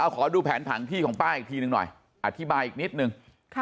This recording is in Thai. ขอดูแผนผังที่ของป้าอีกทีนึงหน่อยอธิบายอีกนิดนึง